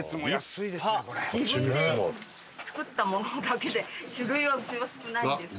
自分で作ったものだけで種類はうちは少ないんですけど。